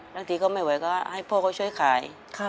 บางทีก็ไม่ไหวก็ให้พ่อเขาช่วยขาย